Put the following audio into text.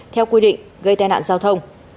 theo quy định gây tai nạn giao thông